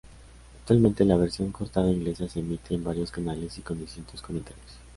Actualmente la versión cortada inglesa se emite en varios canales y con distintos comentarios.